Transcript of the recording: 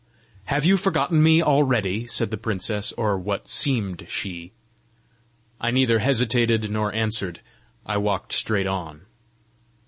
"Have you forgotten me already?" said the princess or what seemed she. I neither hesitated nor answered; I walked straight on.